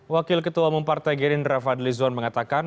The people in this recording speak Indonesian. wakil ketua umum partai gerindra fadlizon mengatakan